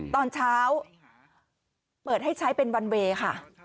ตอนเช้า